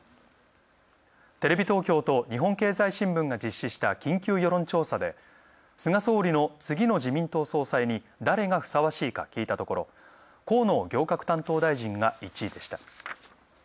テレビ東京と日本経済新聞が実施した緊急世論調査で、菅総理の次の自民党総裁に誰がふさわしいか聞いたところ河野行革担当大臣が１位でした。